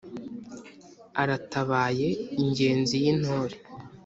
Aratabaye Ingenzi y'Intore